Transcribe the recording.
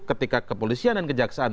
ketika kepolisian dan kejaksaan